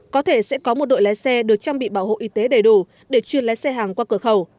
có thể sẽ có một đội lái xe được trang bị bảo hộ y tế đầy đủ để chuyên lái xe hàng qua cửa khẩu